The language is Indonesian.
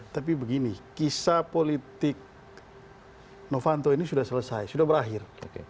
tapi begini kisah politik novanto ini sudah selesai sudah berakhir